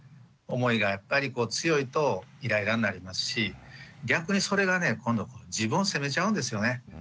思いがやっぱりこう強いとイライラになりますし逆にそれがね今度自分を責めちゃうんですよね。